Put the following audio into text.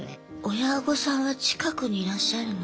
親御さんは近くにいらっしゃるの？